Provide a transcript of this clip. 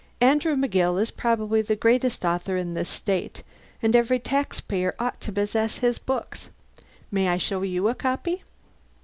Andrew McGill is probably the greatest author in this State, and every taxpayer ought to possess his books. May I show you a copy?"